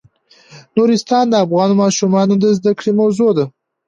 نورستان د افغان ماشومانو د زده کړې موضوع ده.